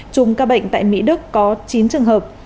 chùm ca bệnh tại mỹ đức có chín trường hợp